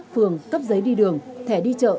phường cấp giấy đi đường thẻ đi chợ